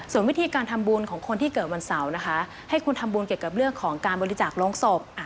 ส่วนวิธีการทำบุญของคนที่เกิดวันเสาร์นะคะให้คุณทำบุญเกี่ยวกับเรื่องของการบริจาคโรงศพ